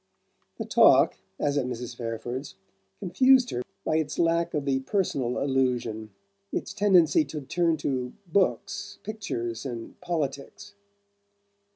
The talk, as at Mrs. Fairford's, confused her by its lack of the personal allusion, its tendency to turn to books, pictures and politics.